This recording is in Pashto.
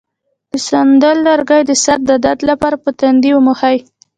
د سندل لرګی د سر د درد لپاره په تندي ومښئ